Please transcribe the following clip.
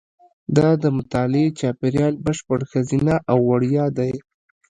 دا د مطالعې چاپېریال بشپړ ښځینه او وړیا دی.